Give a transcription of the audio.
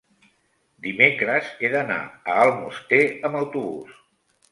dimecres he d'anar a Almoster amb autobús.